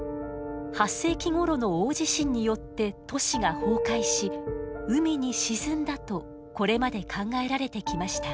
８世紀ごろの大地震によって都市が崩壊し海に沈んだとこれまで考えられてきました。